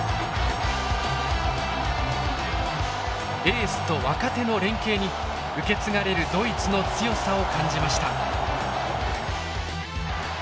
エースと若手の連携に受け継がれるドイツの強さを感じました。